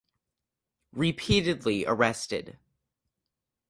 Repeatedly arrested.